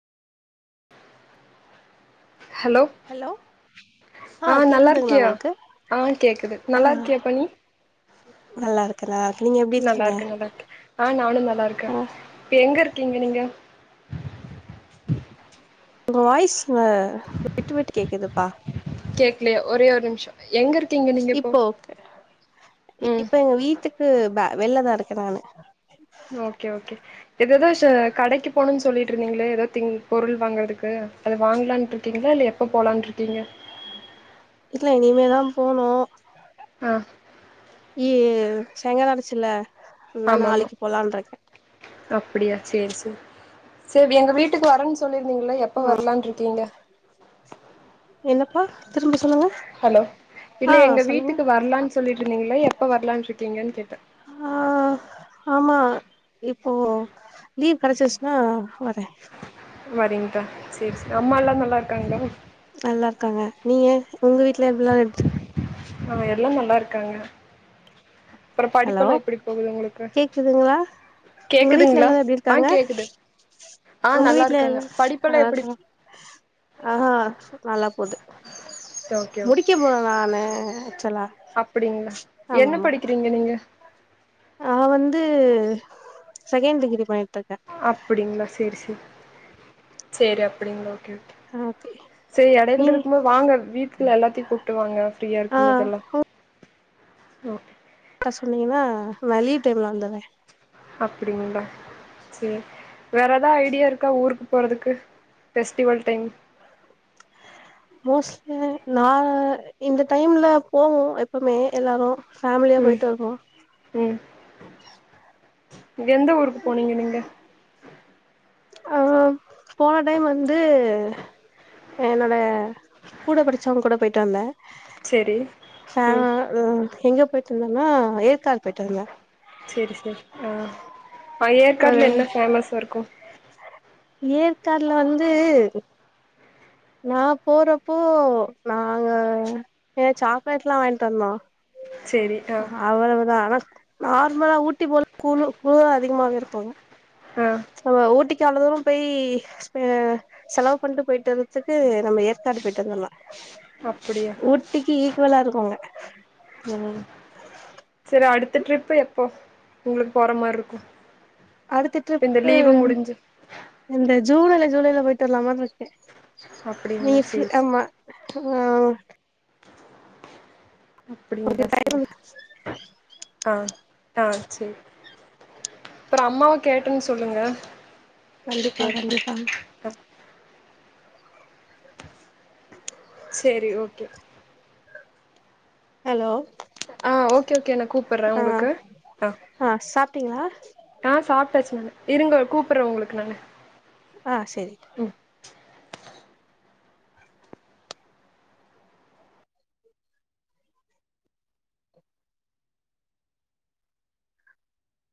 Hello, ஆ கேக்குதுங்களா நல்லாருக்கியா, உங்களுக்கு ஆ கேக்குது, ஆ நல்லா இருக்கியாப்பா நீ, நல்லா இருக்கே நல்லா இருக்கே நீங்க எப்டி இருக்கீங்க நல்லாருக்கே நல்லாருக்கே ஆ நானூ நல்லாருக்கே ஆ இப்ப எங்கருக் கீங்க நீங்க உங்க வாய்ஸ் வ விட்டு விட்டு கேக்குதுப்பா வீட்லையே ஒரே ஒரு நிமிஷோ எங்க இருக்கீங்க நீங்க இப்போ ஓகே ம் இப்ப எங்க வீட்டுக்கு வ வெளில தா இருக்கே நானு ஓகே ஓகே எது ஏதோ ஷ கடைக்கு போணூன்னு சொல்லிட்ருந்தீங்களே ஏதோ திங் பொருள் வாங்கறதுக்கு அது வாங்கலான்ருக்கீங்களா இல்ல எப்போ போலான்ருக்கீங்க. இல்ல இனிமேதா போனோ ஆ இ ஏ சாயிங்கால ஆடுச்சுல்ல நா நாளிக்கு போலான்ருக்கே அப்புடியா சேர் சேரி சேரி எங்க வீட்டுக்கு வரேன்னு சொல்லிருக் கீங்ல எப்ப வரலான்ருக்கீங்க. என்னப்பா திரும்ப சொ ஹலோ இல்ல எங்க வீட்டுக்கு வர்லான் சொல்லிட்ருந்தீங்கள எப்ப வர்லான்ருக்கீங்கன் கேட்டே ஆ ஓ லீவ் கெடைச்சிருச்னா வரே வரீங்தா சேரி சேரி அம்மாலா நல்லாருக்காங்ளா நல்லாருக்காங்க நீங்க உங்க வீட்ல எவ்ளா இன்ஸ் அவ எல்லாம் ஒன்னாருக்காங்க அப்பற ஹலோ படிப்பெல்லா எப்டி போகுது உங்களுக்கு கேக்குதுங்களா உங்க வீட்ல கேக்குதுங்ளா எல்லாரு எப்டி ஆ இருக்காங்க கேக்குது ஆ உங்க நல்லா வீட்ல இருக்காங்க எல்லா படிப்பெல்லாம் எப்படி நல்லாருக்காங்ளா ஆஹ் நல்லா போது ஓகே ஓகே முடிக்க போறே நானு ஆக்சுவலா அப்படிங்களா என்ன ஆமாம்மா படிக்கிறீங்க நீங்க நா வந்து செகெண்ட் டிகிரி பண் அப்டிங்ளா சேரி சேரி சேரி அப்டிங்ளா ஓகே சேரி எடையில் நீங்க இருக்கும்போது வாங்க வீட்ல எல்லாத்தையு கூப்ட்டு வாங்க ஃப்ரீயா ஆ இருக்கும்போதெல்லா ஒ க்கா சொன்னீங்னா நா லீவ் டைம்ல வந்துர்றே அப்டிங்ளா சேரி வேற எதா ஐடியா இருக்கா ஊருக்கு போறதுக்கு ஃபெஸ்டிவல் டைம் பஸ்ல நா இந்த டைம்ல போவோ எப்போமே எல்லாரு ஃபேம்லியா ம் போய்ட்டு வருவோ ம் எந்த ஊருக்கு போனீங்க நீங்க ஆஹ் போன டைம் வந்து என்னோட கூட படிச்சவ்ங்க கூட போயிட்டு வந்தே செரி ம் [unintelligible] எங்கேப் ஏ சொன்னன்னா ஏத் செரி செரி ஆஹ் ஆஹ் ஒரு ஏற்காட்ல என்ன ஃபேமஸா இருக்கு ஏற்காடுல வந்து நா போறப்போ நாங்க ஏ சாக்லேட்லா வாய்ன்ட்டு வந்தோ செரி ஆ அவளவுதா ஆனா நார்மலா ஊட்டி போல குளு குளூர் அதிகமாக இருக்கு ஆ செரியா ஊட்டிக் கி அவ்ள தூர போய் ஆ செலவு பண்ட்டு போயிட்டுவறத்துக்கு நம்ம ஏற்காடு போயிட்டு வந்துர்லா அப்டியா ஊட்டிக்கு ஈக்வலா இருக் போங்க உம் செரி அடுத்த டரிப்பு எப்போ உங்களுக்கு போற மார்ருக்கு அடுத்த ட்ரிப்பு உம் இந்த ஜூலைல ஜூலைல போய்ட்டு வர்லாமான்ருக்கே நீ அப்டிங்களா ஃப் சேரி சேரி ஆமா உ அப்டிங்கள ஓகே டைம் செரி ஆஹ் ஆஹ் சரி அப்புறம் அம்மாவ கேட்டன்னு சொல்லுங்க கண்டிப்பா ஓகே கண்டிப்பா ஆ செரி ஓகே ஹலோ ஆ ஓகே ஓகே அண்ணா கூப்பிடுறேன் ஆ உங்களுக்கு ஆஹ் ஆ சாப்ட்டீங்களா ஆ சாப்பிட்டச்சு நான் இருங்க கூப்பிடுறேன் உங்களுக்கு நானு ஆ சரி